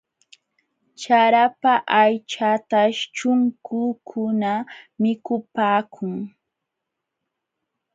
Charapa aychataśh chunchukuna mikupaakun.